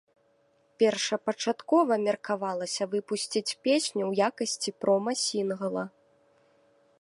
Першапачаткова меркавалася выпусціць песню ў якасці прома-сінгла.